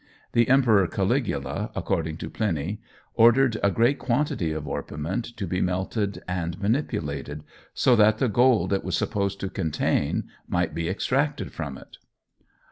The Emperor Caligula, according to Pliny, ordered a great quantity of orpiment to be melted and manipulated, so that the gold it was supposed to contain might be extracted from it.